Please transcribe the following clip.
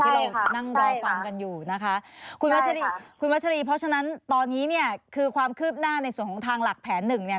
ที่เรานั่งรอฟังกันอยู่นะคะคุณวัชรีคุณวัชรีเพราะฉะนั้นตอนนี้เนี่ยคือความคืบหน้าในส่วนของทางหลักแผนหนึ่งเนี่ย